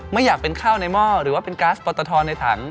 ไม่อยากเป็นข้าวในหม้อหรือว่าเป็นก๊าซปอตทในถัง